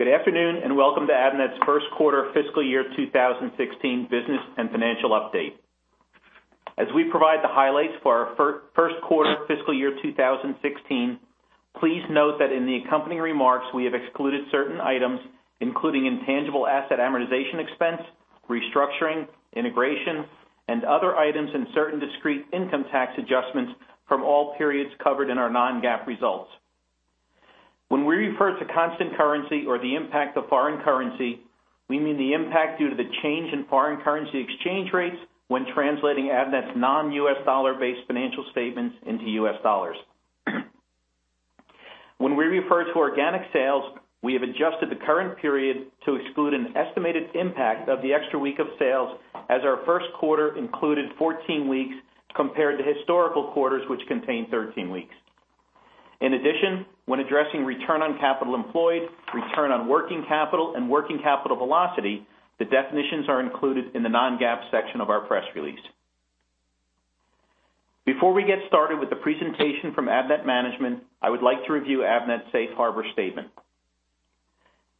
Good afternoon, and welcome to Avnet's first quarter fiscal year 2016 business and financial update. As we provide the highlights for our first quarter fiscal year 2016, please note that in the accompanying remarks, we have excluded certain items, including intangible asset amortization expense, restructuring, integration, and other items, and certain discrete income tax adjustments from all periods covered in our non-GAAP results. When we refer to constant currency or the impact of foreign currency, we mean the impact due to the change in foreign currency exchange rates when translating Avnet's non-U.S. dollar-based financial statements into U.S. dollars. When we refer to organic sales, we have adjusted the current period to exclude an estimated impact of the extra week of sales, as our first quarter included 14 weeks compared to historical quarters, which contained 13 weeks. In addition, when addressing return on capital employed, return on working capital and working capital velocity, the definitions are included in the non-GAAP section of our press release. Before we get started with the presentation from Avnet management, I would like to review Avnet's safe harbor statement.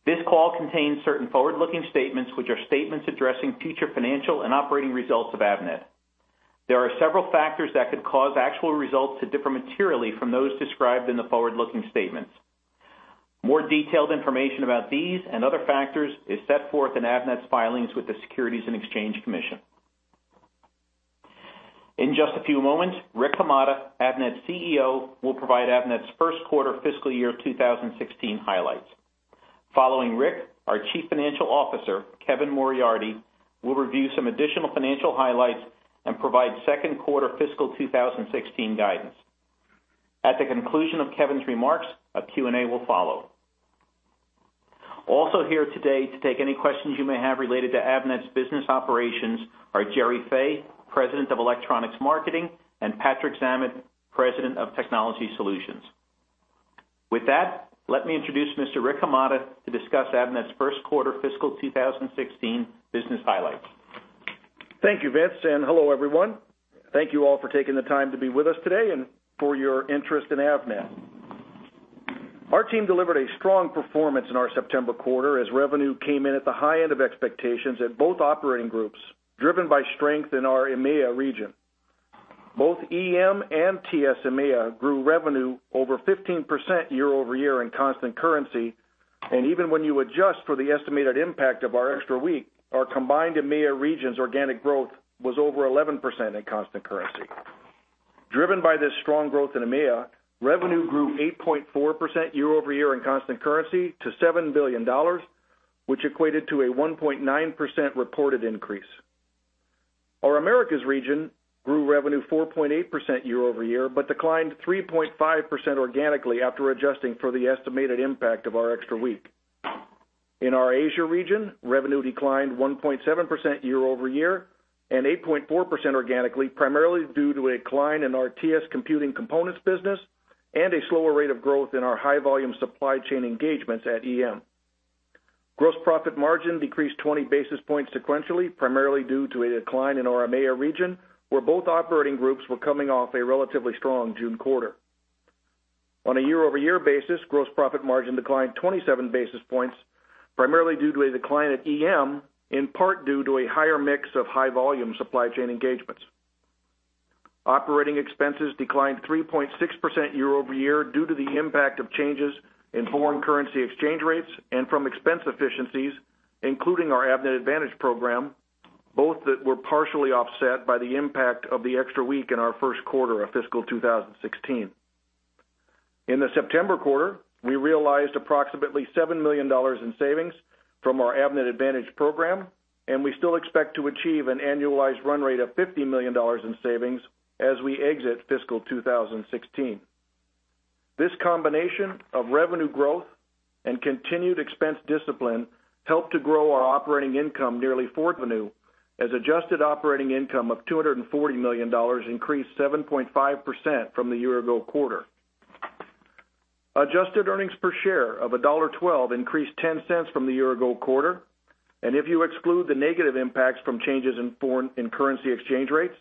This call contains certain forward-looking statements, which are statements addressing future financial and operating results of Avnet. There are several factors that could cause actual results to differ materially from those described in the forward-looking statements. More detailed information about these and other factors is set forth in Avnet's filings with the Securities and Exchange Commission. In just a few moments, Rick Hamada, Avnet's CEO, will provide Avnet's first quarter fiscal year 2016 highlights. Following Rick, our Chief Financial Officer, Kevin Moriarty, will review some additional financial highlights and provide second quarter fiscal 2016 guidance. At the conclusion of Kevin's remarks, a Q&A will follow. Also here today, to take any questions you may have related to Avnet's business operations are Gerry Fay, President of Electronics Marketing, and Patrick Zammit, President of Technology Solutions. With that, let me introduce Mr. Rick Hamada to discuss Avnet's first quarter fiscal 2016 business highlights. Thank you, Vince, and hello, everyone. Thank you all for taking the time to be with us today and for your interest in Avnet. Our team delivered a strong performance in our September quarter, as revenue came in at the high end of expectations at both operating groups, driven by strength in our EMEA region. Both EM and TS EMEA grew revenue over 15% year-over-year in constant currency, and even when you adjust for the estimated impact of our extra week, our combined EMEA region's organic growth was over 11% in constant currency. Driven by this strong growth in EMEA, revenue grew 8.4% year-over-year in constant currency to $7 billion, which equated to a 1.9% reported increase. Our Americas region grew revenue 4.8% year-over-year, but declined 3.5% organically after adjusting for the estimated impact of our extra week. In our Asia region, revenue declined 1.7% year-over-year and 8.4% organically, primarily due to a decline in our TS computing components business and a slower rate of growth in our high-volume supply chain engagements at EM. Gross profit margin decreased 20 basis points sequentially, primarily due to a decline in our EMEA region, where both operating groups were coming off a relatively strong June quarter. On a year-over-year basis, gross profit margin declined 27 basis points, primarily due to a decline at EM, in part due to a higher mix of high-volume supply chain engagements. Operating expenses declined 3.6% year-over-year due to the impact of changes in foreign currency exchange rates and from expense efficiencies, including our Avnet Advantage program, both that were partially offset by the impact of the extra week in our first quarter of fiscal 2016. In the September quarter, we realized approximately $7 million in savings from our Avnet Advantage program, and we still expect to achieve an annualized run rate of $50 million in savings as we exit fiscal 2016. This combination of revenue growth and continued expense discipline helped to grow our operating income nearly 4% revenue, as adjusted operating income of $240 million increased 7.5% from the year-ago quarter. Adjusted earnings per share of $1.12 increased $0.10 from the year-ago quarter, and if you exclude the negative impacts from changes in foreign currency exchange rates,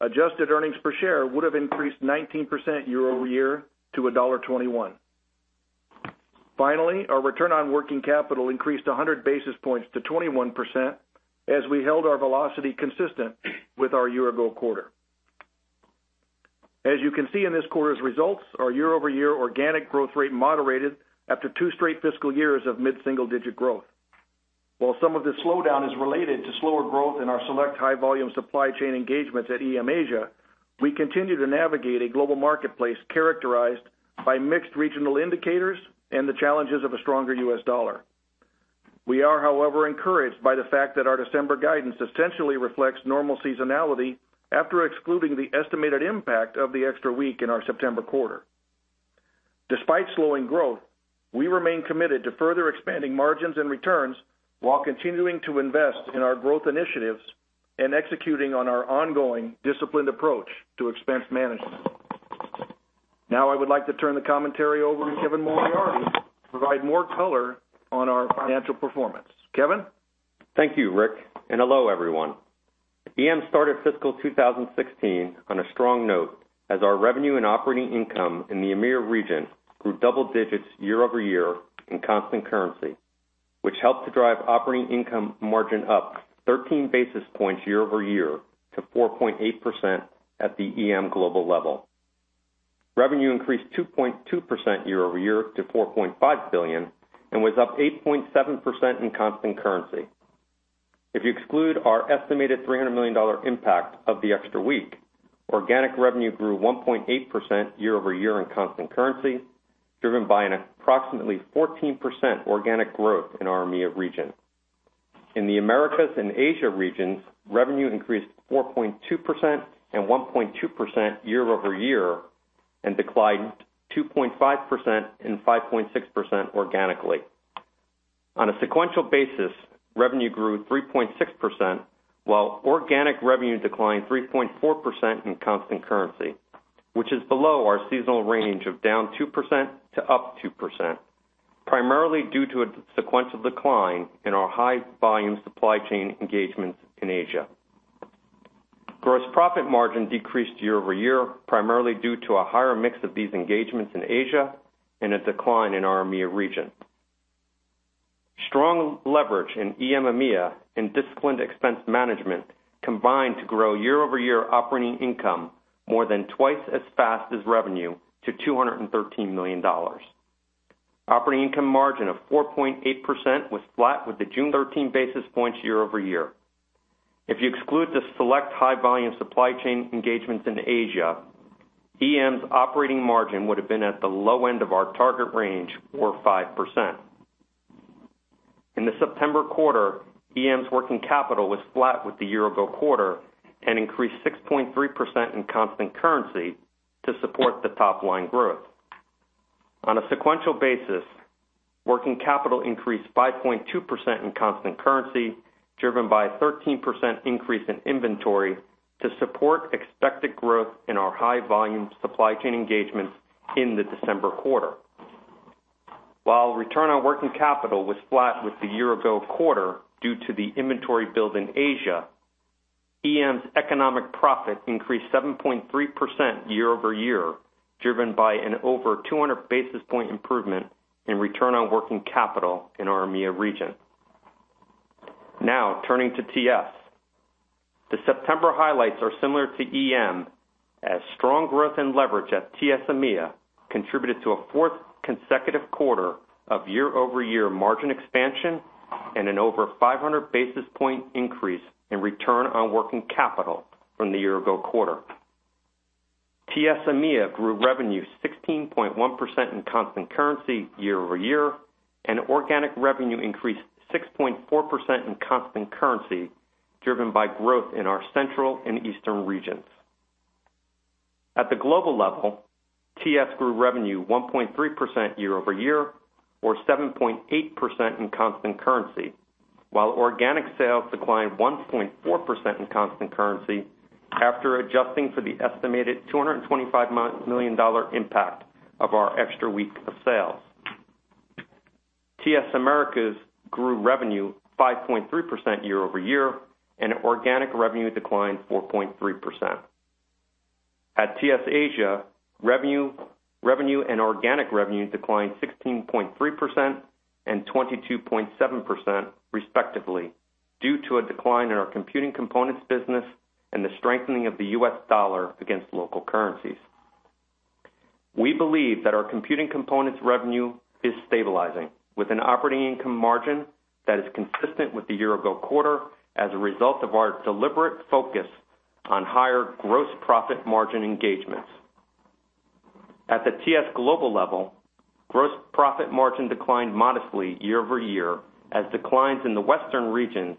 adjusted earnings per share would have increased 19% year-over-year to $1.21. Finally, our return on working capital increased 100 basis points to 21% as we held our velocity consistent with our year-ago quarter. As you can see in this quarter's results, our year-over-year organic growth rate moderated after two straight fiscal years of mid-single-digit growth. While some of this slowdown is related to slower growth in our select high-volume supply chain engagements at EM Asia, we continue to navigate a global marketplace characterized by mixed regional indicators and the challenges of a stronger U.S. dollar. We are, however, encouraged by the fact that our December guidance essentially reflects normal seasonality after excluding the estimated impact of the extra week in our September quarter. Despite slowing growth, we remain committed to further expanding margins and returns while continuing to invest in our growth initiatives and executing on our ongoing disciplined approach to expense management. Now, I would like to turn the commentary over to Kevin Moriarty to provide more color on our financial performance. Kevin? Thank you, Rick, and hello, everyone. EM started fiscal 2016 on a strong note as our revenue and operating income in the EMEA region grew double digits year-over-year in constant currency, which helped to drive operating income margin up 13 basis points year-over-year to 4.8% at the EM global level. Revenue increased 2.2% year-over-year to $4.5 billion and was up 8.7% in constant currency. If you exclude our estimated $300 million impact of the extra week, organic revenue grew 1.8% year-over-year in constant currency, driven by an approximately 14% organic growth in our EMEA region. In the Americas and Asia regions, revenue increased 4.2% and 1.2% year-over-year, and declined 2.5% and 5.6% organically. On a sequential basis, revenue grew 3.6%, while organic revenue declined 3.4% in constant currency, which is below our seasonal range of down 2% to up 2%, primarily due to a sequential decline in our high-volume supply chain engagements in Asia. Gross profit margin decreased year over year, primarily due to a higher mix of these engagements in Asia and a decline in our EMEA region. Strong leverage in EM EMEA and disciplined expense management combined to grow year-over-year operating income more than twice as fast as revenue to $213 million. Operating income margin of 4.8% was flat with the June 13 basis points year over year. If you exclude the select high-volume supply chain engagements in Asia, EM's operating margin would have been at the low end of our target range, or 5%. In the September quarter, EM's working capital was flat with the year ago quarter and increased 6.3% in constant currency to support the top line growth. On a sequential basis, working capital increased 5.2% in constant currency, driven by a 13% increase in inventory to support expected growth in our high-volume supply chain engagements in the December quarter. While return on working capital was flat with the year ago quarter due to the inventory build in Asia, EM's economic profit increased 7.3% year-over-year, driven by an over 200 basis point improvement in return on working capital in our EMEA region. Now, turning to TS. The September highlights are similar to EM, as strong growth and leverage at TS EMEA contributed to a fourth consecutive quarter of year-over-year margin expansion and an over 500 basis point increase in return on working capital from the year ago quarter. TS EMEA grew revenue 16.1% in constant currency year-over-year, and organic revenue increased 6.4% in constant currency, driven by growth in our central and eastern regions. At the global level, TS grew revenue 1.3% year-over-year, or 7.8% in constant currency, while organic sales declined 1.4% in constant currency after adjusting for the estimated $225 million impact of our extra week of sales. TS Americas grew revenue 5.3% year-over-year, and organic revenue declined 4.3%. At TS Asia, revenue, revenue and organic revenue declined 16.3% and 22.7%, respectively, due to a decline in our computing components business and the strengthening of the U.S. dollar against local currencies. We believe that our computing components revenue is stabilizing, with an operating income margin that is consistent with the year ago quarter as a result of our deliberate focus on higher gross profit margin engagements. At the TS global level, gross profit margin declined modestly year-over-year, as declines in the Western regions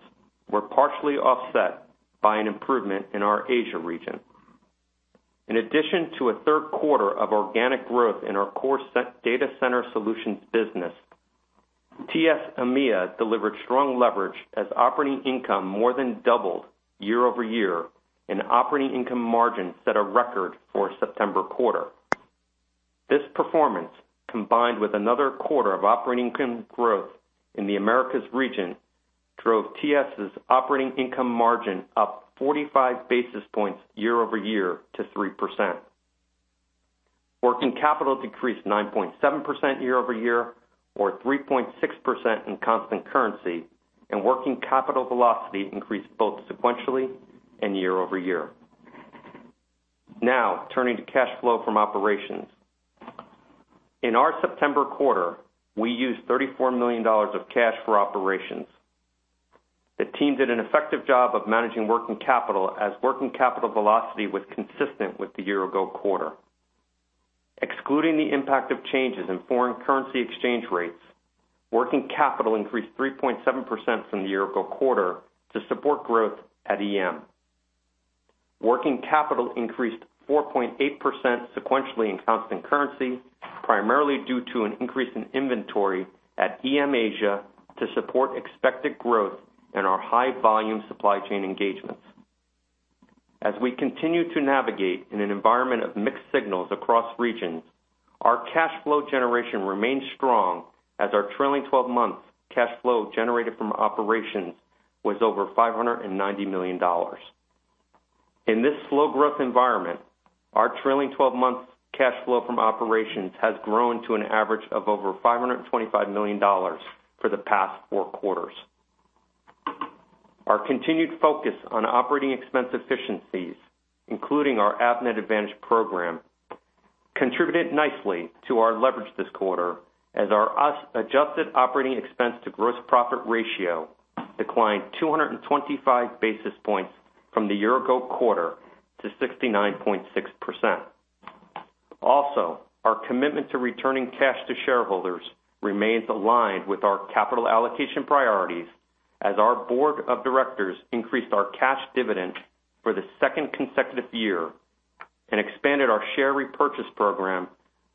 were partially offset by an improvement in our Asia region. In addition to a third quarter of organic growth in our core set data center solutions business, TS EMEA delivered strong leverage as operating income more than doubled year-over-year, and operating income margin set a record for September quarter. This performance, combined with another quarter of operating income growth in the Americas region, drove TS's operating income margin up 45 basis points year-over-year to 3%. Working capital decreased 9.7% year-over-year, or 3.6% in constant currency, and working capital velocity increased both sequentially and year-over-year. Now, turning to cash flow from operations. In our September quarter, we used $34 million of cash for operations. The team did an effective job of managing working capital as working capital velocity was consistent with the year ago quarter. Excluding the impact of changes in foreign currency exchange rates, working capital increased 3.7% from the year ago quarter to support growth at EM. Working capital increased 4.8% sequentially in constant currency, primarily due to an increase in inventory at EM Asia to support expected growth in our high-volume supply chain engagements. As we continue to navigate in an environment of mixed signals across regions, our cash flow generation remains strong as our trailing 12-month cash flow generated from operations was over $590 million. In this slow growth environment, our trailing 12-month cash flow from operations has grown to an average of over $525 million for the past four quarters. Our continued focus on operating expense efficiencies, including our Avnet Advantage program, contributed nicely to our leverage this quarter as our U.S.-adjusted operating expense to gross profit ratio declined 225 basis points from the year-ago quarter to 69.6%. Also, our commitment to returning cash to shareholders remains aligned with our capital allocation priorities as our board of directors increased our cash dividend for the second consecutive year and expanded our share repurchase program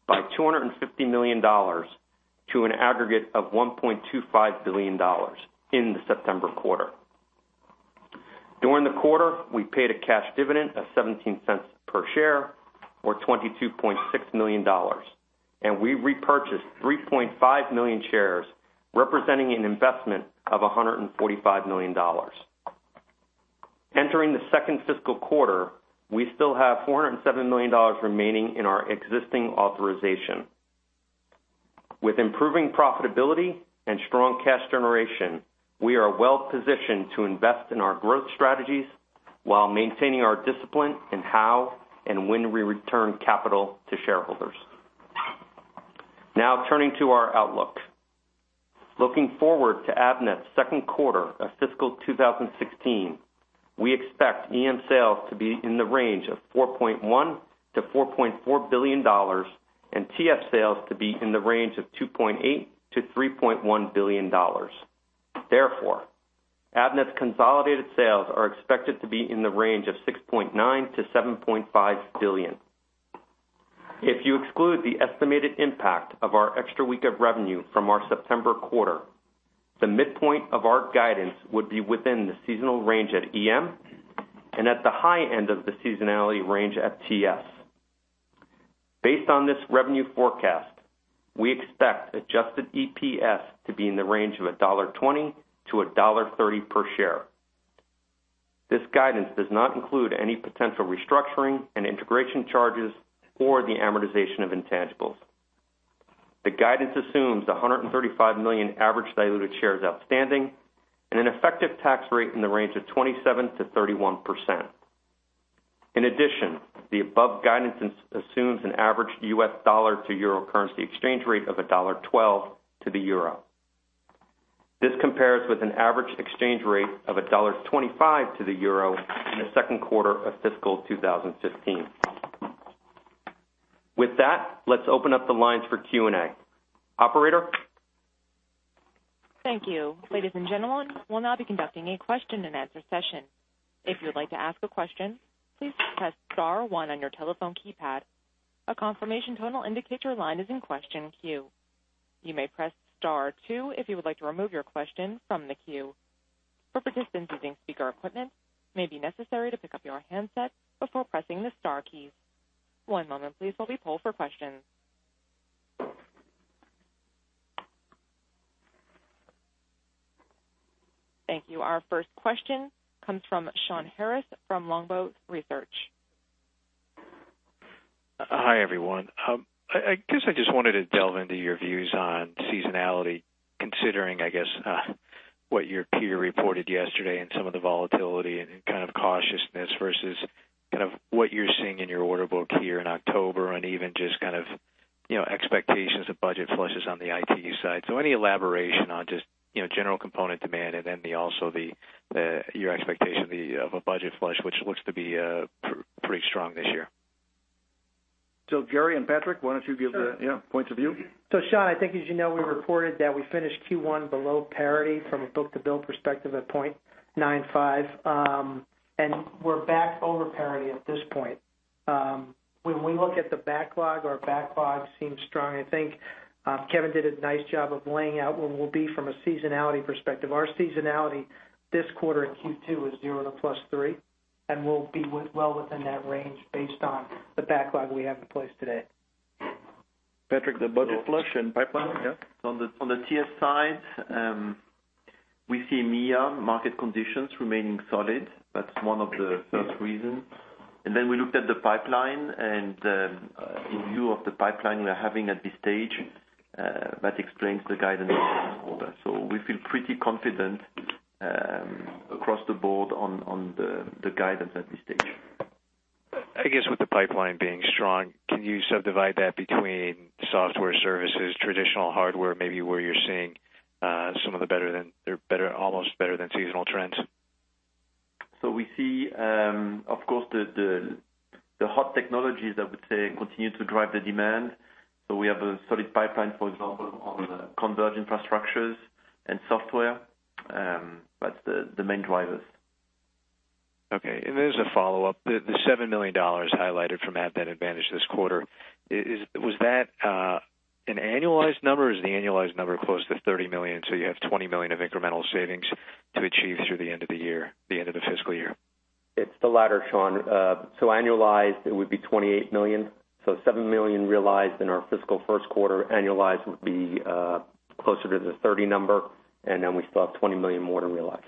by $250 million to an aggregate of $1.25 billion in the September quarter. During the quarter, we paid a cash dividend of $0.17 per share or $22.6 million, and we repurchased 3.5 million shares, representing an investment of $145 million. Entering the second fiscal quarter, we still have $407 million remaining in our existing authorization. With improving profitability and strong cash generation, we are well positioned to invest in our growth strategies while maintaining our discipline in how and when we return capital to shareholders. Now, turning to our outlook. Looking forward to Avnet's second quarter of fiscal 2016, we expect EM sales to be in the range of $4.1 billion-$4.4 billion and TS sales to be in the range of $2.8 billion-$3.1 billion. Therefore, Avnet's consolidated sales are expected to be in the range of $6.9 billion-$7.5 billion. If you exclude the estimated impact of our extra week of revenue from our September quarter, the midpoint of our guidance would be within the seasonal range at EM and at the high end of the seasonality range at TS. Based on this revenue forecast, we expect adjusted EPS to be in the range of $1.20-$1.30 per share. This guidance does not include any potential restructuring and integration charges or the amortization of intangibles. The guidance assumes 135 million average diluted shares outstanding and an effective tax rate in the range of 27%-31%. In addition, the above guidance assumes an average U.S. dollar to euro currency exchange rate of $1.12 to the euro. This compares with an average exchange rate of $1.25 to the euro in the second quarter of fiscal 2015. With that, let's open up the lines for Q&A. Operator? Thank you. Ladies and gentlemen, we'll now be conducting a question-and-answer session. If you would like to ask a question, please press star one on your telephone keypad. A confirmation tone will indicate your line is in question queue. You may press star two if you would like to remove your question from the queue. For participants using speaker equipment, it may be necessary to pick up your handset before pressing the star keys. One moment, please, while we poll for questions. Thank you. Our first question comes from Shawn Harrison from Longbow Research. Hi, everyone. I guess I just wanted to delve into your views on seasonality, considering, I guess, what your peer reported yesterday and some of the volatility and kind of cautiousness versus kind of what you're seeing in your order book here in October, and even just kind of, you know, expectations of budget flushes on the IT side. Any elaboration on just, you know, general component demand and then also your expectation of a budget flush, which looks to be pretty strong this year. Gerry and Patrick, why don't you give the points of view? Shawn, I think as you know, we reported that we finished Q1 below parity from a book-to-bill perspective at 0.95, and we're back over parity at this point. When we look at the backlog, our backlog seems strong. I think, Kevin did a nice job of laying out where we'll be from a seasonality perspective. Our seasonality this quarter in Q2 is 0 to +3, and we'll be well within that range based on the backlog we have in place today. Patrick, the budget flush and pipeline, yeah? On the TS side, we see near market conditions remaining solid. That's one of the first reasons. And then we looked at the pipeline, and in view of the pipeline we are having at this stage, that explains the guidance for this quarter. We feel pretty confident across the board on the guidance at this stage. I guess with the pipeline being strong, can you subdivide that between software services, traditional hardware, maybe where you're seeing some of the better than or almost better than seasonal trends? We see, of course, the hot technologies, I would say, continue to drive the demand. We have a solid pipeline, for example, on the converged infrastructures and software. That's the main drivers. Okay, and there's a follow-up. The $7 million highlighted from Avnet Advantage this quarter, was that an annualized number or is the annualized number close to $30 million, so you have $20 million of incremental savings to achieve through the end of the year, the end of the fiscal year? It's the latter, Shawn. Annualized, it would be $28 million. $7 million realized in our fiscal first quarter, annualized would be closer to the $30 million number, and then we still have $20 million more to realize.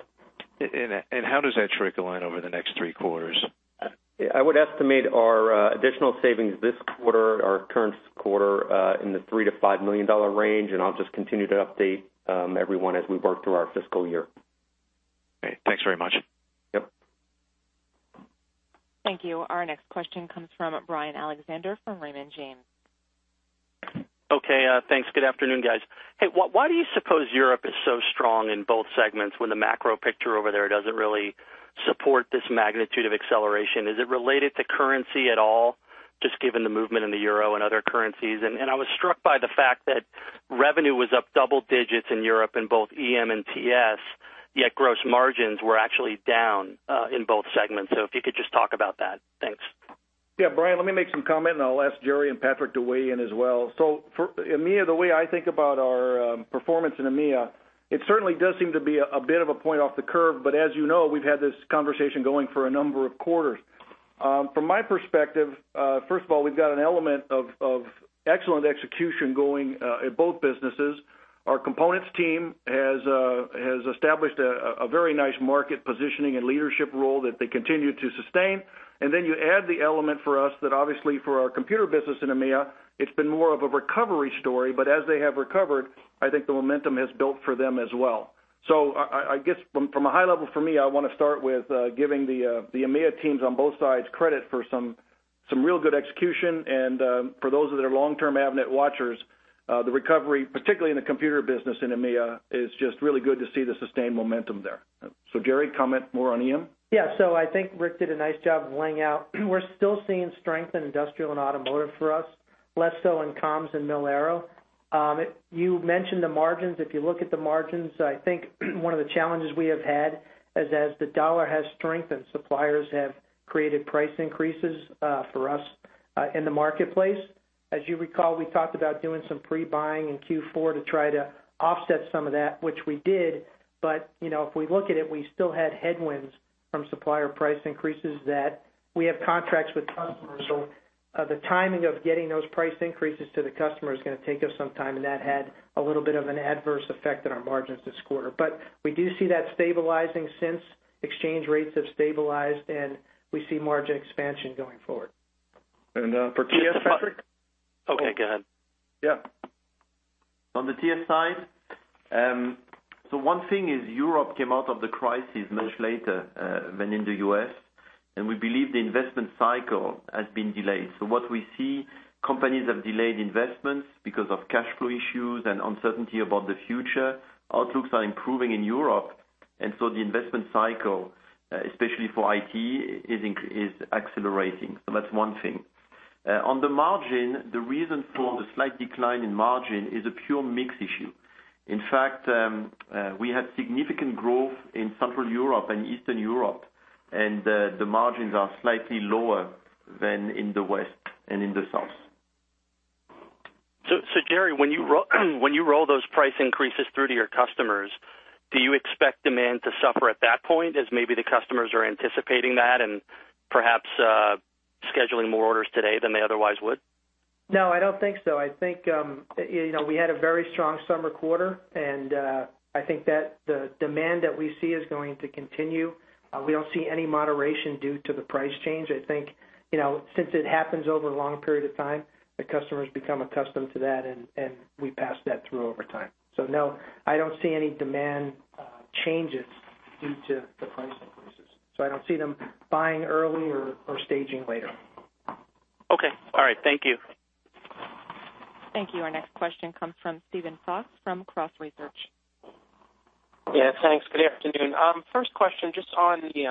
How does that trickle in over the next three quarters? I would estimate our additional savings this quarter, our current quarter, in the $3 million-$5 million range, and I'll just continue to update everyone as we work through our fiscal year. Great. Thanks very much. Yep. Thank you. Our next question comes from Brian Alexander from Raymond James. Okay, thanks. Good afternoon, guys. Hey, why do you suppose Europe is so strong in both segments when the macro picture over there doesn't really support this magnitude of acceleration? Is it related to currency at all, just given the movement in the euro and other currencies? I was struck by the fact that revenue was up double digits in Europe in both EM and TS, yet gross margins were actually down in both segments. If you could just talk about that. Thanks. Yeah, Brian, let me make some comment, and I'll ask Gerry and Patrick to weigh in as well. For EMEA, the way I think about our performance in EMEA, it certainly does seem to be a bit of a point off the curve, but as you know, we've had this conversation going for a number of quarters. From my perspective, first of all, we've got an element of excellent execution going in both businesses. Our components team has established a very nice market positioning and leadership role that they continue to sustain. Then you add the element for us that obviously for our computer business in EMEA, it's been more of a recovery story, but as they have recovered, I think the momentum has built for them as well. I guess from a high level for me, I want to start with giving the EMEA teams on both sides credit for some real good execution. For those that are long-term Avnet watchers, the recovery, particularly in the computer business in EMEA, is just really good to see the sustained momentum there. Gerry, comment more on EM. Yeah. I think Rick did a nice job of laying out. We're still seeing strength in industrial and automotive for us, less so in comms and mil aero. You mentioned the margins. If you look at the margins, I think one of the challenges we have had is as the U.S. dollar has strengthened, suppliers have created price increases for us in the marketplace. As you recall, we talked about doing some pre-buying in Q4 to try to offset some of that, which we did. But, you know, if we look at it, we still had headwinds from supplier price increases that we have contracts with customers, so the timing of getting those price increases to the customer is going to take us some time, and that had a little bit of an adverse effect on our margins this quarter. But we do see that stabilizing since exchange rates have stabilized, and we see margin expansion going forward. For TS, Patrick? Okay, go ahead. Yeah. On the TS side, so one thing is Europe came out of the crisis much later than in the U.S., and we believe the investment cycle has been delayed. What we see, companies have delayed investments because of cash flow issues and uncertainty about the future. Outlooks are improving in Europe, and so the investment cycle, especially for IT, is accelerating. That's one thing. On the margin, the reason for the slight decline in margin is a pure mix issue. In fact, we had significant growth in Central Europe and Eastern Europe, and the margins are slightly lower than in the West and in the South. Gerry, when you roll those price increases through to your customers, do you expect demand to suffer at that point, as maybe the customers are anticipating that and perhaps scheduling more orders today than they otherwise would? No, I don't think so. I think, you know, we had a very strong summer quarter, and I think that the demand that we see is going to continue. We don't see any moderation due to the price change. I think, you know, since it happens over a long period of time, the customers become accustomed to that, and we pass that through over time. No, I don't see any demand changes due to the price increases, so I don't see them buying early or staging later. Okay. All right. Thank you. Thank you. Our next question comes from Steven Fox from Cross Research. Yeah, thanks. Good afternoon. First question, just on the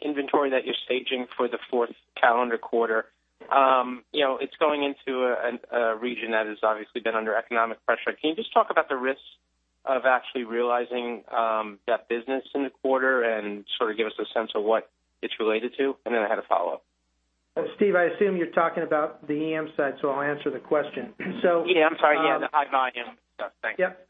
inventory that you're staging for the fourth calendar quarter. You know, it's going into a region that has obviously been under economic pressure. Can you just talk about the risks of actually realizing that business in the quarter and sort of give us a sense of what it's related to? Then I had a follow-up. Steve, I assume you're talking about the EM side, so I'll answer the question. Yeah, I'm sorry. Yeah, the high volume. Thanks. Yep.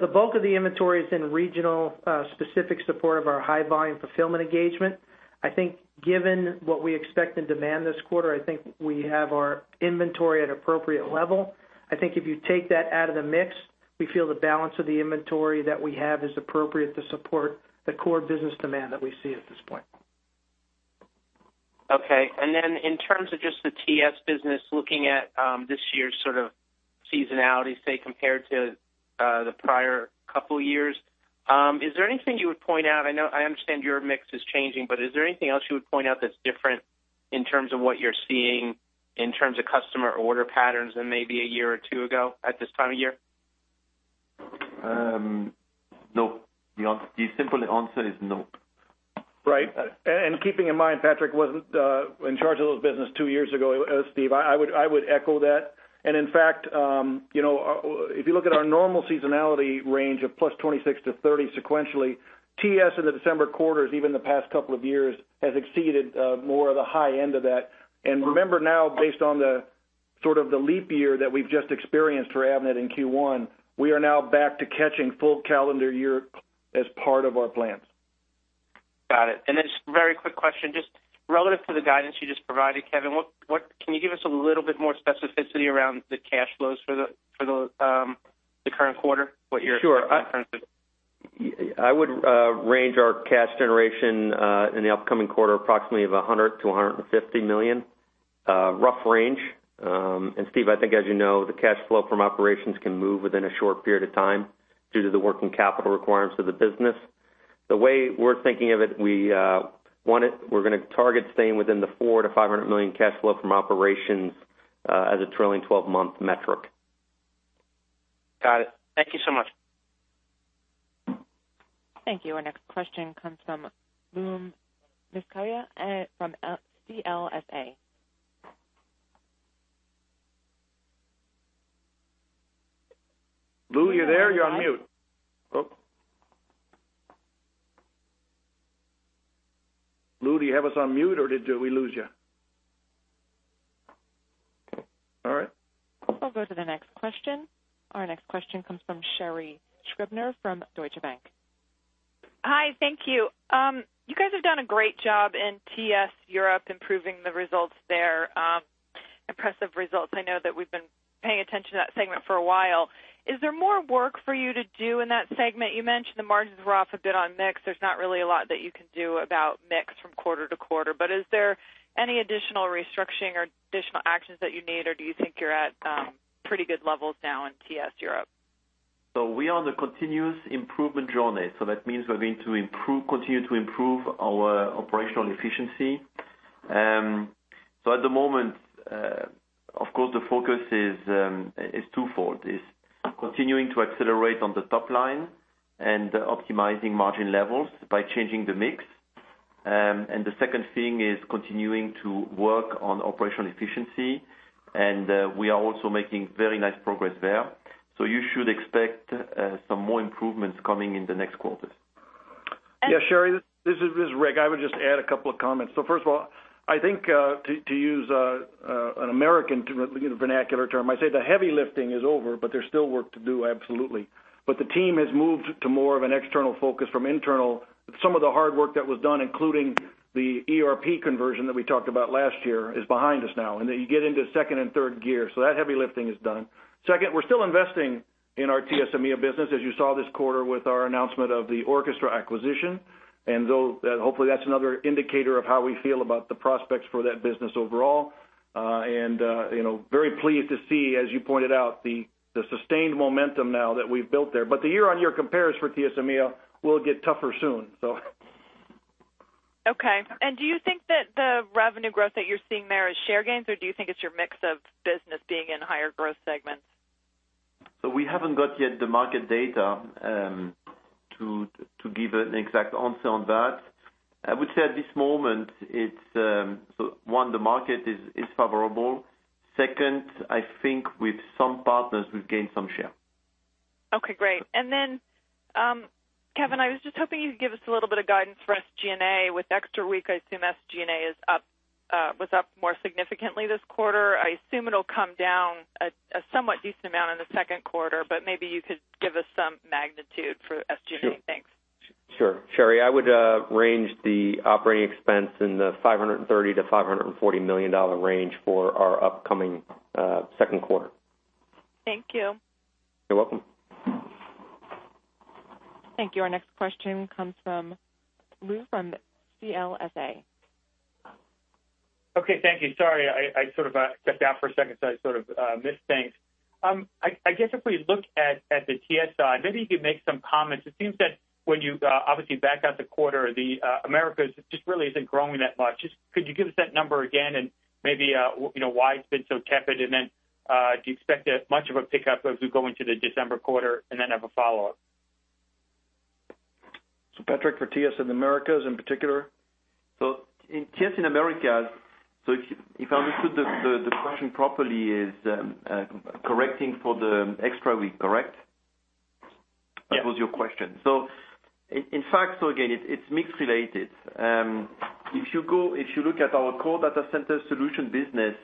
The bulk of the inventory is in regional, specific support of our high volume fulfillment engagement. I think given what we expect in demand this quarter, I think we have our inventory at appropriate level. I think if you take that out of the mix, we feel the balance of the inventory that we have is appropriate to support the core business demand that we see at this point. Okay. Then in terms of just the TS business, looking at this year's sort of seasonality, say, compared to the prior couple of years, is there anything you would point out? I know, I understand your mix is changing, but is there anything else you would point out that's different in terms of what you're seeing in terms of customer order patterns than maybe a year or two ago at this time of year? Nope. The simple answer is nope. Right. Keeping in mind, Patrick wasn't in charge of those business two years ago, Steve, I would echo that. And in fact, you know, if you look at our normal seasonality range of +26 to 30 sequentially, TS in the December quarters, even the past couple of years, has exceeded more of the high end of that. Remember now, based on the sort of the leap year that we've just experienced for Avnet in Q1, we are now back to catching full calendar year as part of our plans. Got it. Then just very quick question, just relative to the guidance you just provided, Kevin, what, what-- can you give us a little bit more specificity around the cash flows for the, for the, the current quarter? What you're- Sure. I would range our cash generation in the upcoming quarter, approximately $100 million-$150 million, rough range. Steve, I think as you know, the cash flow from operations can move within a short period of time due to the working capital requirements of the business. The way we're thinking of it, we want it, we're gonna target staying within the $400 million-$500 million cash flow from operations, as a trailing 12-month metric. Got it. Thank you so much. Thank you. Our next question comes from Louis Miscioscia from CLSA. Lou, you there? You're on mute. Oh. Lou, do you have us on mute, or did we lose you? All right. I'll go to the next question. Our next question comes from Sherri Scribner from Deutsche Bank. Hi, thank you. You guys have done a great job in TS Europe, improving the results there. Impressive results. I know that we've been paying attention to that segment for a while. Is there more work for you to do in that segment? You mentioned the margins were off a bit on mix. There's not really a lot that you can do about mix from quarter to quarter. But is there any additional restructuring or additional actions that you need, or do you think you're at pretty good levels now in TS Europe? We are on the continuous improvement journey, so that means we're going to improve, continue to improve our operational efficiency. At the moment, of course, the focus is twofold: continuing to accelerate on the top line and optimizing margin levels by changing the mix. The second thing is continuing to work on operational efficiency, and we are also making very nice progress there. You should expect some more improvements coming in the next quarters. Yeah, Sherri, this is Rick. I would just add a couple of comments. First of all, I think, to, to use, an American vernacular term, I'd say the heavy lifting is over, but there's still work to do, absolutely. But the team has moved to more of an external focus from internal. Some of the hard work that was done, including the ERP conversion that we talked about last year, is behind us now, and then you get into second and third gear, so that heavy lifting is done. Second, we're still investing in our TS EMEA business, as you saw this quarter, with our announcement of the Orchestra acquisition, and though, hopefully, that's another indicator of how we feel about the prospects for that business overall. and you know, very pleased to see, as you pointed out, the sustained momentum now that we've built there. But the year-on-year compares for TSMEA will get tougher soon. Okay. Do you think that the revenue growth that you're seeing there is share gains, or do you think it's your mix of business being in higher growth segments? We haven't got yet the market data to give an exact answer on that. I would say at this moment, it's so one, the market is favorable. Second, I think with some partners, we've gained some share. Okay, great. Then, Kevin, I was just hoping you'd give us a little bit of guidance for SG&A. With extra week, I assume SG&A was up more significantly this quarter. I assume it'll come down a somewhat decent amount in the second quarter, but maybe you could give us some magnitude for SG&A. Sure. Thanks. Sure. Sherri, I would range the operating expense in the $530 million-$540 million range for our upcoming second quarter. Thank you. You're welcome. Thank you. Our next question comes from Lou from CLSA. Okay, thank you. Sorry, I sort of stepped out for a second, so I sort of missed things. I guess if we look at the TS side, maybe you could make some comments. It seems that when you obviously back out the quarter, the Americas just really isn't growing that much. Just could you give us that number again and maybe you know why it's been so tepid, and then do you expect that much of a pickup as we go into the December quarter, and then have a follow-up? Patrick, for TS in Americas in particular? In TS in Americas, so if I understood the question properly, is correcting for the extra week correct? Yeah. That was your question. In fact, so again, it's mixed related. If you go. If you look at our core data center solution business,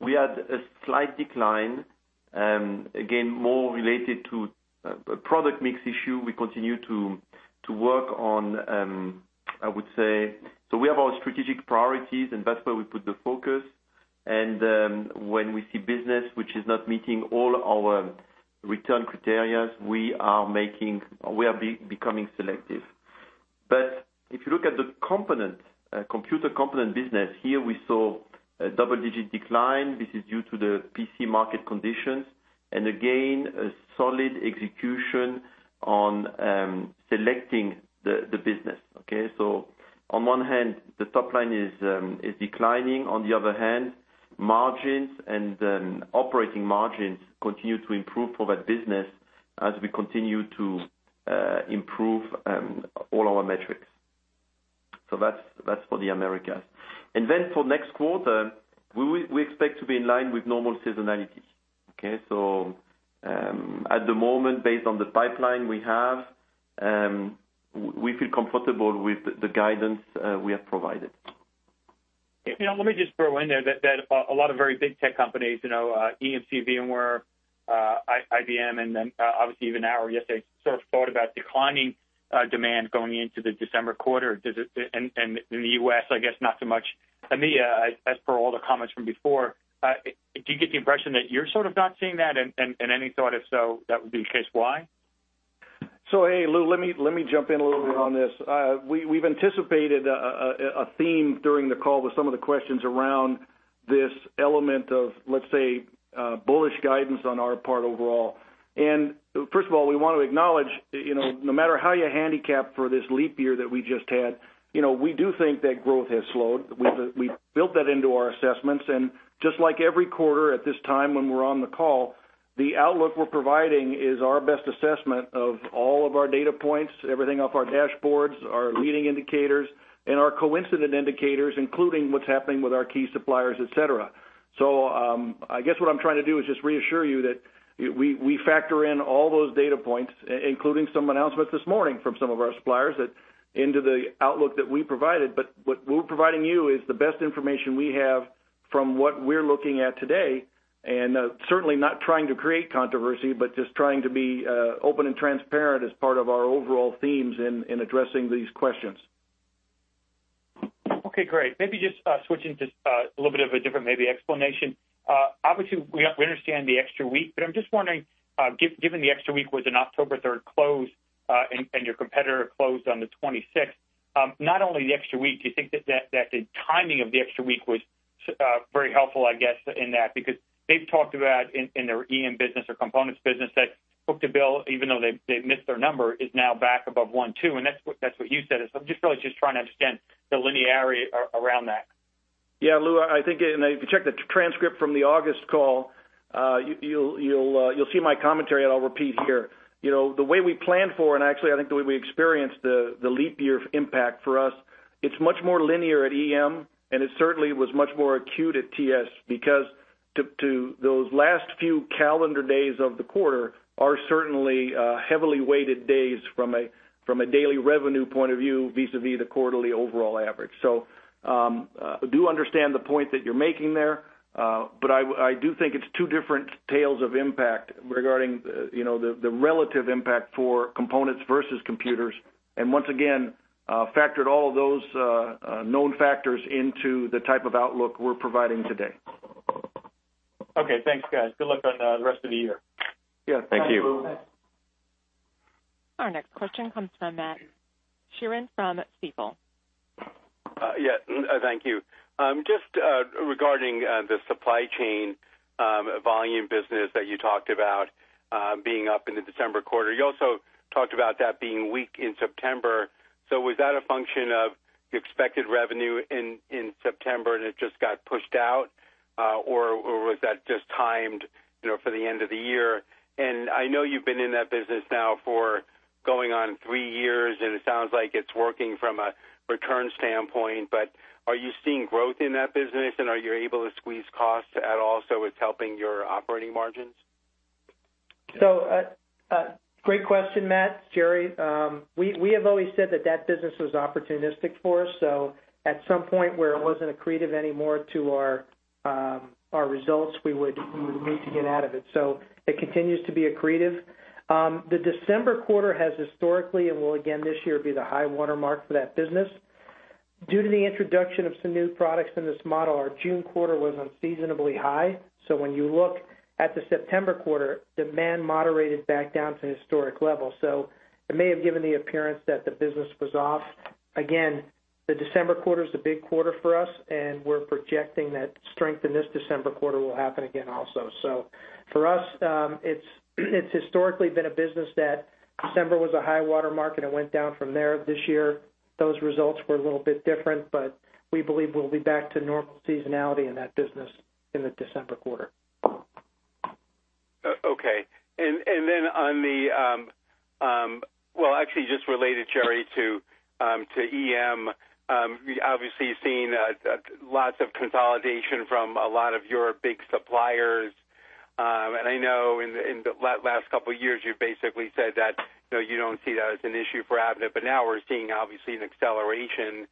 we had a slight decline, again, more related to a product mix issue we continue to work on. I would say. We have our strategic priorities, and that's where we put the focus, and when we see business which is not meeting all our return criteria, we are becoming selective. But if you look at the component, computer component business, here we saw a double-digit decline. This is due to the PC market conditions and, again, a solid execution on selecting the business, okay? On one hand, the top line is declining. On the other hand, margins and operating margins continue to improve for that business as we continue to improve all our metrics. That's for the Americas. Then for next quarter, we expect to be in line with normal seasonality. Okay. At the moment, based on the pipeline we have, we feel comfortable with the guidance we have provided. You know, let me just throw in there that a lot of very big tech companies, you know, EMC, VMware, IBM, and then obviously, even our yesterday sort of thought about declining demand going into the December quarter. Does it and in the U.S., I guess not so much. EMEA, as per all the comments from before, do you get the impression that you're sort of not seeing that, and any thought, if so, that would be the case, why? Hey, Lou, let me jump in a little bit on this. We've anticipated a theme during the call with some of the questions around this element of, let's say, bullish guidance on our part overall. And first of all, we want to acknowledge, you know, no matter how you handicap for this leap year that we just had, you know, we do think that growth has slowed. We built that into our assessments, and just like every quarter at this time, when we're on the call, the outlook we're providing is our best assessment of all of our data points, everything off our dashboards, our leading indicators, and our coincident indicators, including what's happening with our key suppliers, et cetera. I guess what I'm trying to do is just reassure you that we factor in all those data points, including some announcements this morning from some of our suppliers, that into the outlook that we provided. But what we're providing you is the best information we have from what we're looking at today, and certainly not trying to create controversy, but just trying to be open and transparent as part of our overall themes in addressing these questions. Okay, great. Maybe just, switching to, a little bit of a different maybe explanation. Obviously, we, we understand the extra week, but I'm just wondering, given the extra week was an October third close, and, and your competitor closed on the twenty-sixth, not only the extra week, do you think that, that the timing of the extra week was, very helpful, I guess, in that? Because they've talked about in, in their EM business or components business, that book-to-bill, even though they, they missed their number, is now back above 1.2, and that's what, that's what you said. I'm just really just trying to understand the linearity around that. Yeah, Lou, I think if you check the transcript from the August call, you'll see my commentary, and I'll repeat here. You know, the way we plan for, and actually, I think the way we experienced the leap year impact for us, it's much more linear at EM, and it certainly was much more acute at TS, because those last few calendar days of the quarter are certainly heavily weighted days from a daily revenue point of view, vis-a-vis the quarterly overall average. I do understand the point that you're making there, but I do think it's two different tales of impact regarding, you know, the relative impact for components versus computers, and once again, factored all of those known factors into the type of outlook we're providing today. Okay. Thanks, guys. Good luck on the rest of the year. Yeah. Thank you. Our next question comes from Matt Sheerin from Stifel. Yeah, thank you. Just regarding the supply chain volume business that you talked about being up in the December quarter, you also talked about that being weak in September. Was that a function of the expected revenue in September, and it just got pushed out, or was that just timed, you know, for the end of the year? I know you've been in that business now for going on three years, and it sounds like it's working from a return standpoint, but are you seeing growth in that business, and are you able to squeeze costs at all, so it's helping your operating margins? Great question, Matt. It's Gerry. We have always said that that business was opportunistic for us, so at some point where it wasn't accretive anymore to our, our results, we would look to get out of it. It continues to be accretive. The December quarter has historically, and will again, this year, be the high water mark for that business. Due to the introduction of some new products in this model, our June quarter was unseasonably high. When you look at the September quarter, demand moderated back down to historic levels, so it may have given the appearance that the business was off. Again, the December quarter is a big quarter for us, and we're projecting that strength in this December quarter will happen again also. For us, it's historically been a business that December was a high water mark, and it went down from there. This year, those results were a little bit different, but we believe we'll be back to normal seasonality in that business in the December quarter. Okay. Then on the... Well, actually, just related, Gerry, to EM. Obviously, you've seen lots of consolidation from a lot of your big suppliers. I know in the last couple of years, you've basically said that, you know, you don't see that as an issue for Avnet, but now we're seeing, obviously, an acceleration.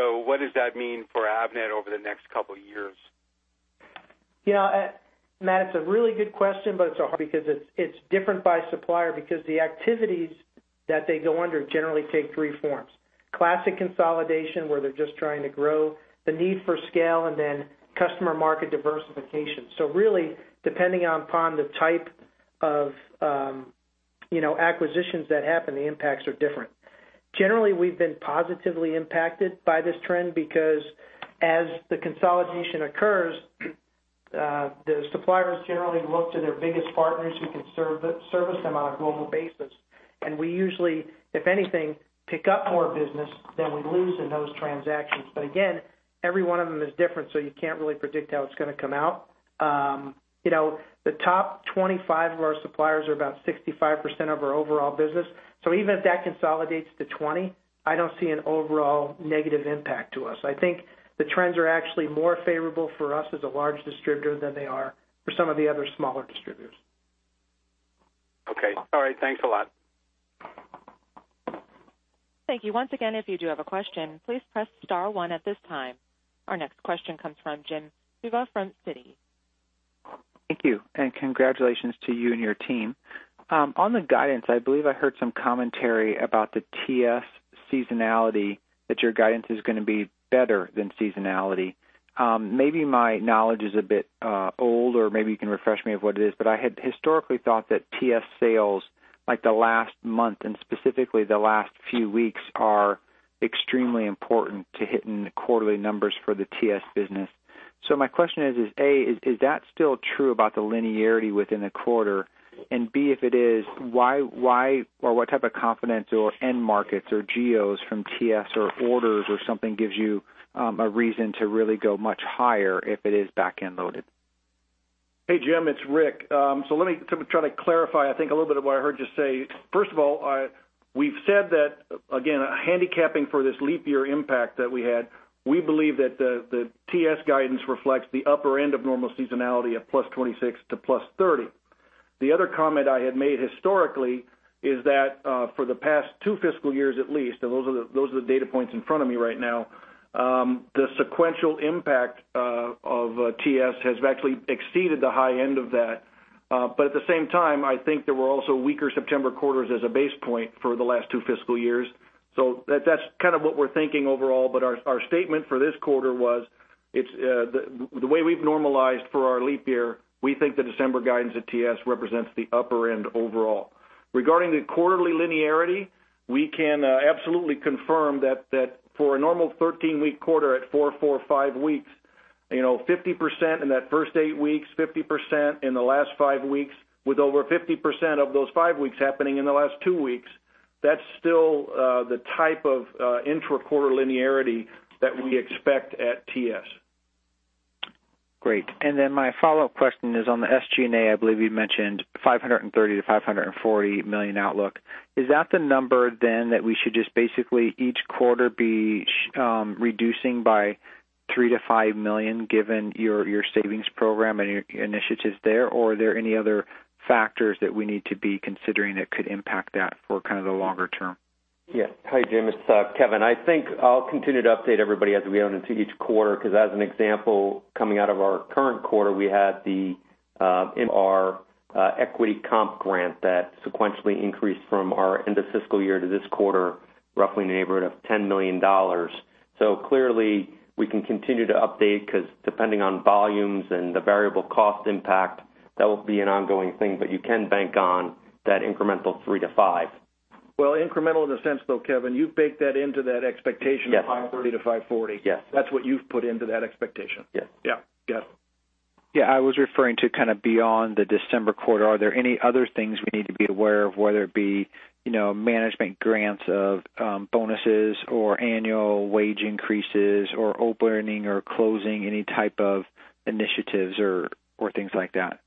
What does that mean for Avnet over the next couple of years? Yeah, Matt, it's a really good question, but it's a hard, because it's, it's different by supplier, because the activities that they go under generally take three forms: classic consolidation, where they're just trying to grow, the need for scale, and then customer market diversification. Really, depending upon the type of, you know, acquisitions that happen, the impacts are different. Generally, we've been positively impacted by this trend because as the consolidation occurs, the suppliers generally look to their biggest partners who can serve, service them on a global basis. We usually, if anything, pick up more business than we lose in those transactions. But again, every one of them is different, so you can't really predict how it's going to come out. You know, the top 25 of our suppliers are about 65% of our overall business. Even if that consolidates to 20, I don't see an overall negative impact to us. I think the trends are actually more favorable for us as a large distributor than they are for some of the other smaller distributors. Okay. All right. Thanks a lot. Thank you. Once again, if you do have a question, please press star one at this time. Our next question comes from Jim Suva from Citi. Thank you, and congratulations to you and your team. On the guidance, I believe I heard some commentary about the TS seasonality, that your guidance is going to be better than seasonality. Maybe my knowledge is a bit old, or maybe you can refresh me of what it is, but I had historically thought that TS sales, like the last month and specifically the last few weeks, are extremely important to hitting the quarterly numbers for the TS business. My question is: A, is that still true about the linearity within a quarter? B, if it is, why or what type of confidence or end markets or geos from TS or orders or something gives you a reason to really go much higher if it is back-end loaded? Hey, Jim, it's Rick. Let me try to clarify, I think, a little bit of what I heard you say. First of all, we've said that, again, handicapping for this leap year impact that we had, we believe that the TS guidance reflects the upper end of normal seasonality of +26 to +30. The other comment I had made historically is that, for the past two fiscal years at least, and those are the data points in front of me right now, the sequential impact of TS has actually exceeded the high end of that. But at the same time, I think there were also weaker September quarters as a base point for the last two fiscal years. That's kind of what we're thinking overall. But our statement for this quarter was, it's the way we've normalized for our leap year, we think the December guidance at TS represents the upper end overall. Regarding the quarterly linearity, we can absolutely confirm that for a normal 13-week quarter at 4-4-5 weeks, you know, 50% in that first eight weeks, 50% in the last five weeks, with over 50% of those five weeks happening in the last two weeks. That's still the type of intra-quarter linearity that we expect at TS. Great. Then my follow-up question is on the SG&A. I believe you mentioned $530 million-$540 million outlook. Is that the number then, that we should just basically each quarter be reducing by $3 million-$5 million, given your savings program and your initiatives there, or are there any other factors that we need to be considering that could impact that for kind of the longer term? Yes. Hi, Jim, it's Kevin. I think I'll continue to update everybody as we go into each quarter, because as an example, coming out of our current quarter, we had an increase in our equity comp grant that sequentially increased from our end of fiscal year to this quarter, roughly in the neighborhood of $10 million. Clearly, we can continue to update because depending on volumes and the variable cost impact, that will be an ongoing thing, but you can bank on that incremental $3-$5. Well, incremental in a sense, though, Kevin, you've baked that into that expectation- Yes. -of $530 to $540. Yes. That's what you've put into that expectation. Yes. Yeah. Got ahead. Yeah, I was referring to kind of beyond the December quarter. Are there any other things we need to be aware of, whether it be, you know, management grants of, bonuses or annual wage increases or opening or closing, any type of initiatives or things like that?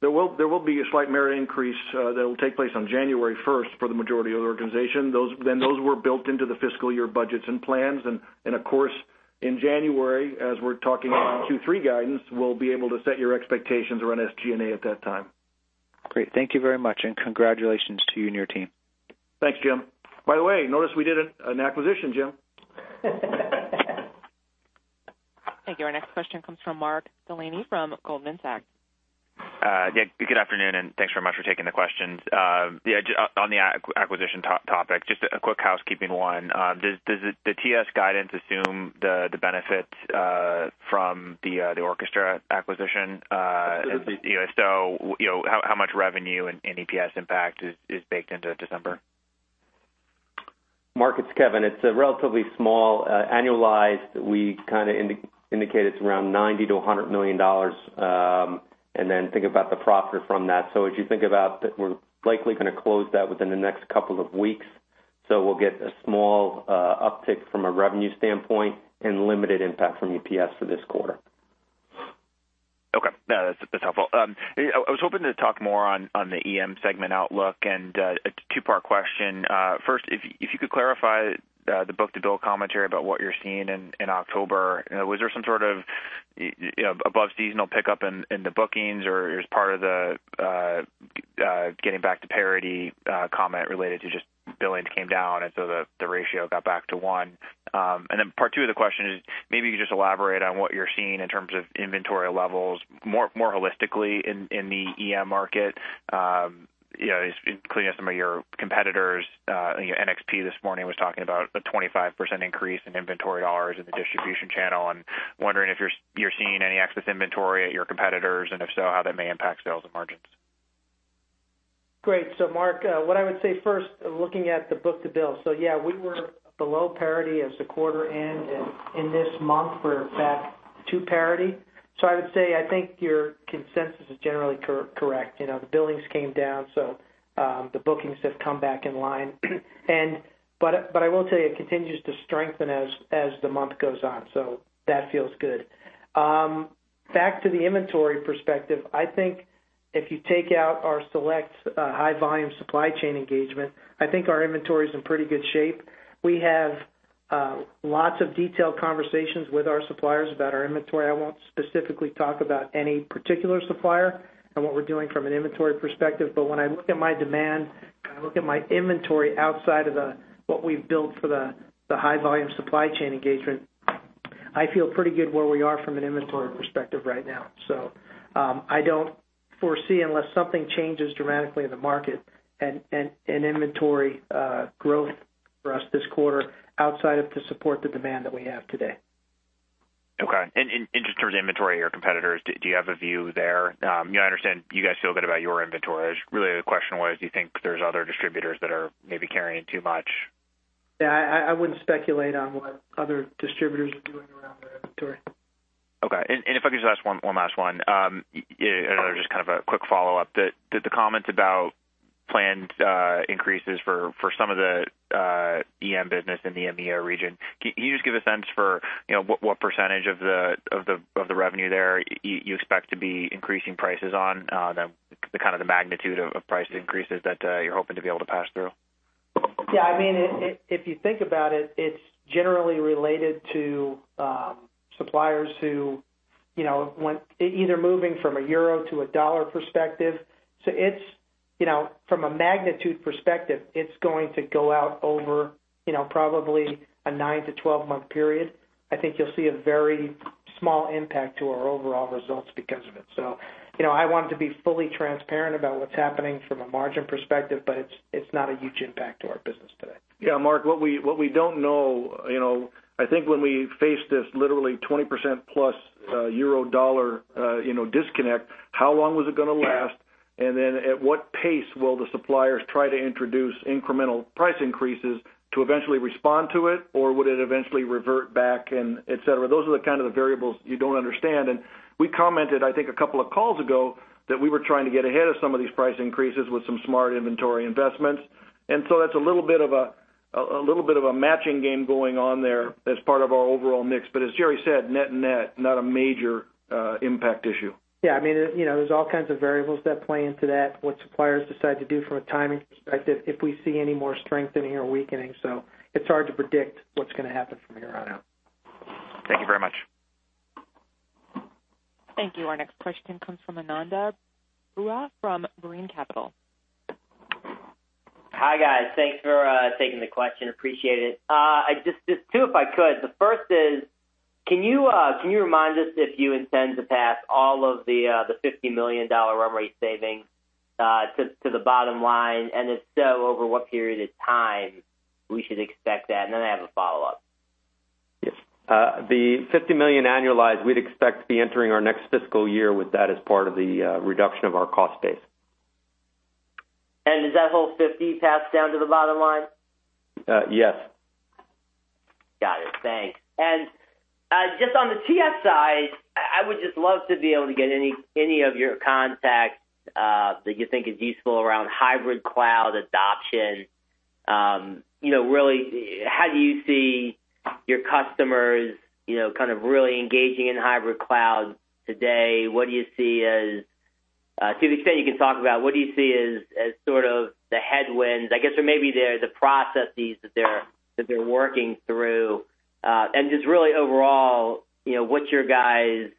There will be a slight merit increase that will take place on January first for the majority of the organization. Those—then those were built into the fiscal year budgets and plans. Of course, in January, as we're talking Q3 guidance, we'll be able to set your expectations around SG&A at that time. Great. Thank you very much, and congratulations to you and your team. Thanks, Jim. By the way, notice we did an acquisition, Jim. Thank you. Our next question comes from Mark Delaney from Goldman Sachs. Yeah, good afternoon, and thanks very much for taking the questions. Yeah, just on the acquisition topic, just a quick housekeeping one. Does the TS guidance assume the benefits from the Orchestra acquisition? You know, so, you know, how much revenue and EPS impact is baked into December? Mark, it's Kevin. It's a relatively small, annualized. We kind of indicate it's around $90 million-$100 million, and then think about the profit from that. As you think about that, we're likely going to close that within the next couple of weeks. We'll get a small, uptick from a revenue standpoint and limited impact from EPS for this quarter. Okay. No, that's, that's helpful. I was hoping to talk more on the EM segment outlook and a two-part question. First, if you could clarify the book-to-bill commentary about what you're seeing in October. Was there some sort of, you know, above seasonal pickup in the bookings or as part of the getting back to parity comment related to just billings came down, and so the ratio got back to one? Then part two of the question is, maybe you could just elaborate on what you're seeing in terms of inventory levels, more holistically in the EM market. You know, including some of your competitors. NXP this morning was talking about a 25% increase in inventory hours in the distribution channel, and wondering if you're, you're seeing any excess inventory at your competitors, and if so, how that may impact sales and margins. Great. Mark, what I would say first, looking at the book-to-bill. Yeah, we were below parity at quarter end, and in this month we're back to parity. I would say, I think your consensus is generally correct. You know, the billings came down, so the bookings have come back in line. But I will tell you, it continues to strengthen as the month goes on, so that feels good. Back to the inventory perspective, I think if you take out our select high volume supply chain engagement, I think our inventory is in pretty good shape. We have lots of detailed conversations with our suppliers about our inventory. I won't specifically talk about any particular supplier and what we're doing from an inventory perspective, but when I look at my demand, and I look at my inventory outside of the, what we've built for the, the high volume supply chain engagement, I feel pretty good where we are from an inventory perspective right now. I don't foresee, unless something changes dramatically in the market, an inventory growth for us this quarter outside of to support the demand that we have today. Okay. Just towards inventory, your competitors, do you have a view there? You know, I understand you guys feel good about your inventory. Really, the question was: do you think there's other distributors that are maybe carrying too much? Yeah, I wouldn't speculate on what other distributors are doing around their inventory. Okay. If I could just ask one last one, and another just kind of a quick follow-up. The comment about planned increases for some of the EM business in the EMEA region. Can you just give a sense for, you know, what percentage of the revenue there you expect to be increasing prices on, the kind of the magnitude of price increases that you're hoping to be able to pass through? Yeah, I mean, if you think about it, it's generally related to suppliers who, you know, want either moving from a euro to a dollar perspective. It's, you know, from a magnitude perspective, it's going to go out over, you know, probably a 9-12-month period. I think you'll see a very small impact to our overall results because of it. You know, I want to be fully transparent about what's happening from a margin perspective, but it's not a huge impact to our business today. Yeah, Mark, what we don't know, you know, I think when we faced this literally 20%+, euro, dollar, you know, disconnect, how long was it gonna last? And then at what pace will the suppliers try to introduce incremental price increases to eventually respond to it, or would it eventually revert back and et cetera? Those are the kind of the variables you don't understand. We commented, I think, a couple of calls ago, that we were trying to get ahead of some of these price increases with some smart inventory investments. That's a little bit of a, a little bit of a matching game going on there as part of our overall mix. But as Gerry said, net net, not a major, impact issue. Yeah, I mean, you know, there's all kinds of variables that play into that, what suppliers decide to do from a timing perspective, if we see any more strengthening or weakening. It's hard to predict what's gonna happen from here on out. Thank you very much. Thank you. Our next question comes from Ananda Baruah from Brean Capital. Hi, guys. Thanks for taking the question. Appreciate it. I just two, if I could. The first is, can you remind us if you intend to pass all of the $50 million run rate savings to the bottom line? If so, over what period of time we should expect that? Then I have a follow-up. Yes. The $50 million annualized, we'd expect to be entering our next fiscal year with that as part of the reduction of our cost base. Does that whole 50 pass down to the bottom line? Yes. Got it. Thanks. Just on the TS side, I would just love to be able to get any, any of your contacts, that you think is useful around hybrid cloud adoption. You know, really, how do you see your customers, you know, kind of really engaging in hybrid cloud today? What do you see as, to the extent you can talk about, what do you see as, as sort of the headwinds, I guess, or maybe the, the processes that they're, that they're working through? Just really overall, you know, what's your guys'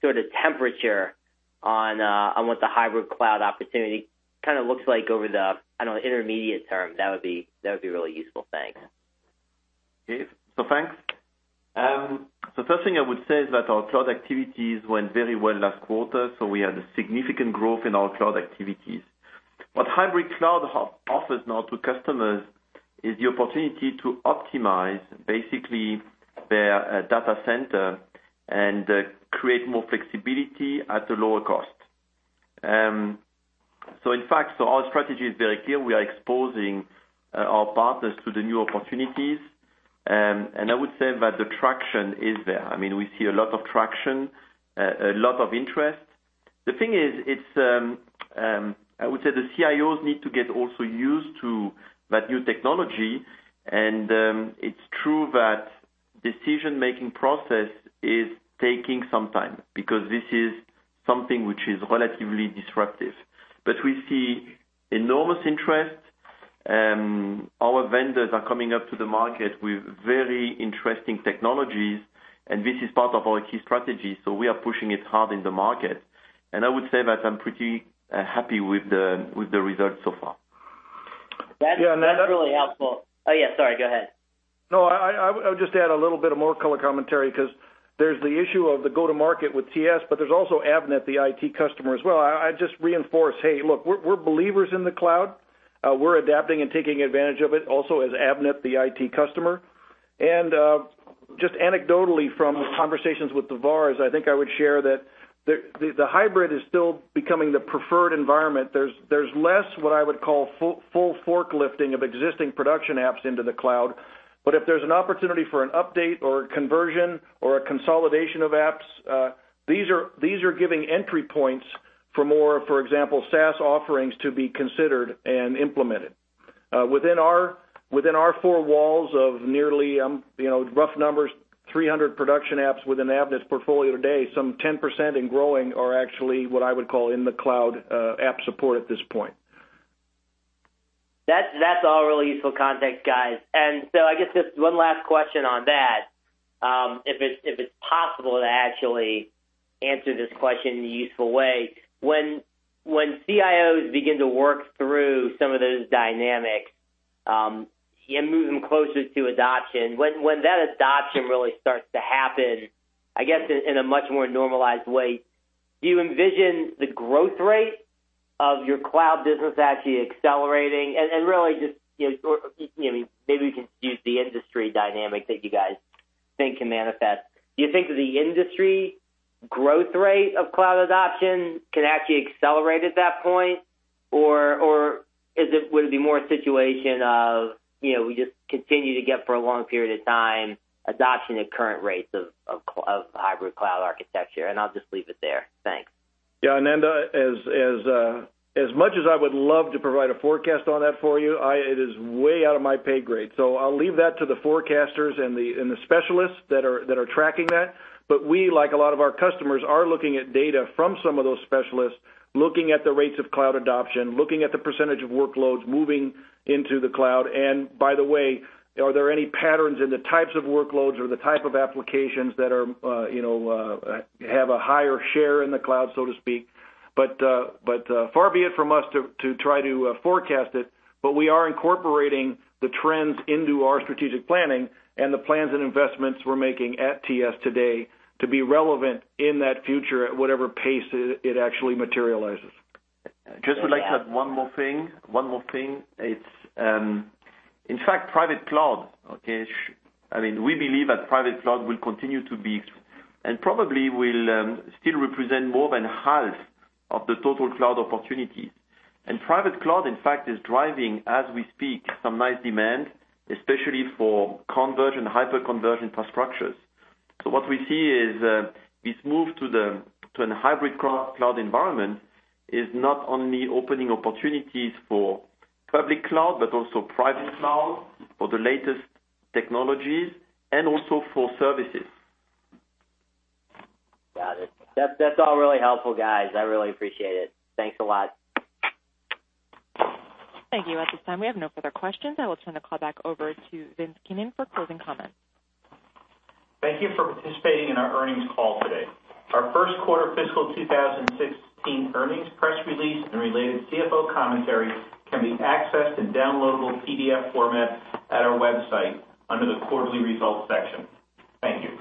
sort of temperature on, on what the hybrid cloud opportunity kind of looks like over the, I don't know, intermediate term? That would be, that would be really useful. Thanks. Okay. Thanks. First thing I would say is that our cloud activities went very well last quarter, so we had a significant growth in our cloud activities. What hybrid cloud offers now to customers is the opportunity to optimize basically their data center and create more flexibility at a lower cost. In fact, so our strategy is very clear. We are exposing our partners to the new opportunities and I would say that the traction is there. I mean, we see a lot of traction, a lot of interest. The thing is, it's I would say the CIOs need to get also used to that new technology, and it's true that decision-making process is taking some time because this is something which is relatively disruptive. But we see enormous interest, our vendors are coming up to the market with very interesting technologies, and this is part of our key strategy, so we are pushing it hard in the market. I would say that I'm pretty happy with the results so far. That's really helpful. Oh, yeah, sorry, go ahead. No, I would just add a little bit of more color commentary because there's the issue of the go-to-market with TS, but there's also Avnet, the IT customer as well. I just reinforce, hey, look, we're believers in the cloud. We're adapting and taking advantage of it, also as Avnet, the IT customer. Just anecdotally from conversations with the VARs, I think I would share that the hybrid is still becoming the preferred environment. There's less what I would call full forklifting of existing production apps into the cloud. But if there's an opportunity for an update or a conversion or a consolidation of apps, these are giving entry points for more, for example, SaaS offerings to be considered and implemented. Within our four walls of nearly, you know, rough numbers, 300 production apps within Avnet's portfolio today, some 10% in growing are actually what I would call in the cloud, app support at this point. That's all really useful context, guys. I guess just one last question on that, if it's possible to actually answer this question in a useful way. When CIOs begin to work through some of those dynamics, and move them closer to adoption, when that adoption really starts to happen, I guess in a much more normalized way, do you envision the growth rate of your cloud business actually accelerating? Really just, you know, maybe we can use the industry dynamic that you guys think can manifest. Do you think the industry growth rate of cloud adoption can actually accelerate at that point? Or is it, would it be more a situation of, you know, we just continue to get for a long period of time, adoption at current rates of hybrid cloud architecture? I'll just leave it there. Thanks. Yeah, Ananda, as much as I would love to provide a forecast on that for you, it is way out of my pay grade, so I'll leave that to the forecasters and the specialists that are tracking that. But we, like a lot of our customers, are looking at data from some of those specialists, looking at the rates of cloud adoption, looking at the percentage of workloads moving into the cloud. By the way, are there any patterns in the types of workloads or the type of applications that are, you know, have a higher share in the cloud, so to speak. But far be it from us to try to forecast it, but we are incorporating the trends into our strategic planning and the plans and investments we're making at TS today to be relevant in that future, at whatever pace it actually materializes. Just would like to add one more thing. One more thing. It's, in fact, private cloud, okay? I mean, we believe that private cloud will continue to be, and probably will, still represent more than half of the total cloud opportunities. Private cloud, in fact, is driving, as we speak, some nice demand, especially for converged and hyperconverged infrastructures. What we see is, this move to the, to a hybrid cloud, cloud environment is not only opening opportunities for public cloud, but also private cloud, for the latest technologies and also for services. Got it. That, that's all really helpful, guys. I really appreciate it. Thanks a lot. Thank you. At this time, we have no further questions. I will turn the call back over to Vince Keenan for closing comments. Thank you for participating in our earnings call today. Our first quarter fiscal 2016 earnings press release and related CFO commentary can be accessed in downloadable PDF format at our website under the Quarterly Results section. Thank you.